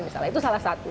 misalnya itu salah satu